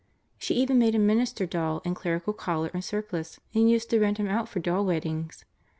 She even made a minister doll, in clerical collar and surplice, and used to rent him out for doll weddings.